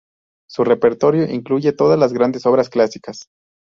Su repertorio incluye todas las grandes obras clásicas.